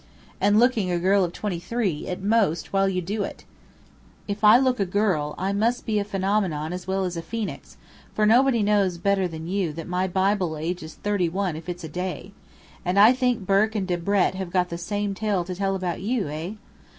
"And looking a girl of twenty three, at most, while you do it!" "If I look a girl, I must be a phenomenon as well as a phoenix, for nobody knows better than you that my Bible age is thirty one if it's a day. And I think Burke and Debrett have got the same tale to tell about you, eh?"